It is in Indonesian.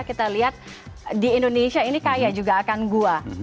kita lihat di indonesia ini kaya juga akan gua